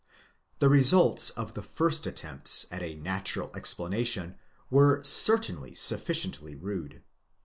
The results of the first attempts at a natural explanation were certainly sufficiently rude.